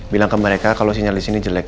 bilang ke mereka kalau sinyal di sini jelek